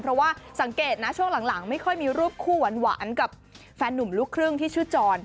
เพราะว่าสังเกตนะช่วงหลังไม่ค่อยมีรูปคู่หวานกับแฟนหนุ่มลูกครึ่งที่ชื่อจร